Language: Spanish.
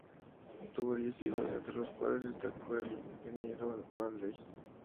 Tuvo diez hijos, entre los cuales destacó el ingeniero C. F. Varley.